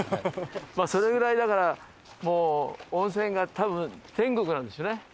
まあそれぐらいだからもう温泉が多分天国なんでしょうね。